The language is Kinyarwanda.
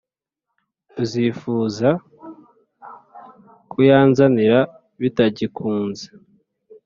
uzifuza kuyanzanira bitagikunze!”.